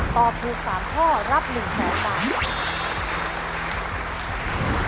ตอบถูก๓ข้อรับ๑๐๐๐บาท